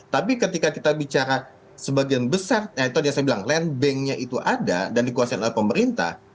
tapi ketika kita bicara sebagian besar yang saya bilang land banknya itu ada dan dikuasai oleh pemerintah